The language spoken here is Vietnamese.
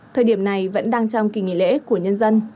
thời điểm này vẫn đang trong kỳ nghỉ lễ của nhân dân